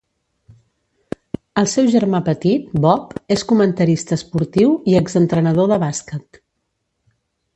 El seu germà petit, Bob, és comentarista esportiu i exentrenador de bàsquet.